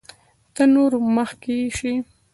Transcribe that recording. تر نورو مخکې شي.